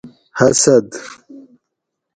حسد